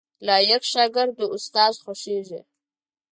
لايق شاګرد د استاد خوښیږي